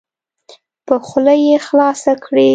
په خوله یې خلاصه کړئ.